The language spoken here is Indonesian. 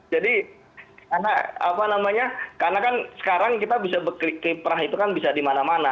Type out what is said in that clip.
jadi karena apa namanya karena kan sekarang kita bisa berkriperah itu kan bisa dimana mana